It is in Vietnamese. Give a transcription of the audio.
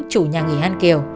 chủ nhà nghỉ hàn kiều